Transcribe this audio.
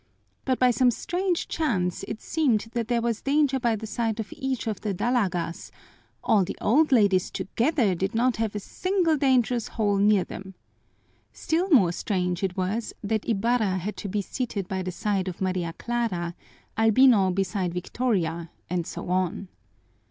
But by some strange chance it seemed that there w, as danger by the side of each of the dalagas; all the old ladies together did not have a single dangerous hole near them! Still more strange it was that Ibarra had to be seated by the side of Maria Clara, Albino beside Victoria, and so on.